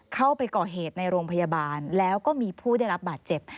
เข้าไปก่อเหตุในโรงพยาบาลแล้วก็มีผู้ได้รับบาดเจ็บ